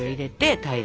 平ら。